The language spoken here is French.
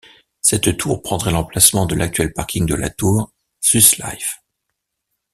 Cette tour prendrait l'emplacement de l'actuel parking de la tour Swiss Life.